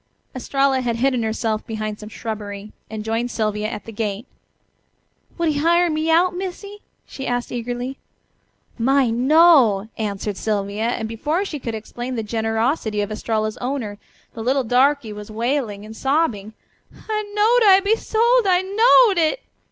Estralla had hidden herself behind some shrubbery, and joined Sylvia at the gate. "Would he hire me out, Missy?" she asked eagerly. "My, no!" answered Sylvia, and before she could explain the generosity of Estralla's owner, the little darky was wailing and sobbing: "I knowed I'd be sold! I knowed it."